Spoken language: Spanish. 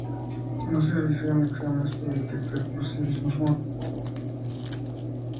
No se realizaron exámenes para detectar posibles malformaciones del esqueleto o internas en ratones.